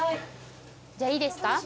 じゃあいいですか？